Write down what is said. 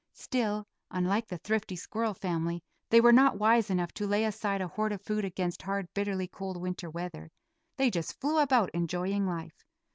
Still, unlike the thrifty squirrel family, they were not wise enough to lay aside a hoard of food against hard, bitterly cold winter weather; they just flew about enjoying life.